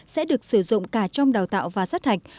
sẽ được sử dụng cả trong đào tạo và sát hạch